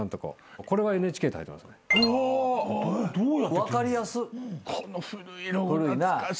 分かりやすっ！